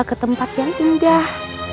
ketempat yang indah